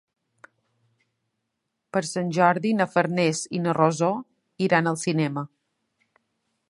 Per Sant Jordi na Farners i na Rosó iran al cinema.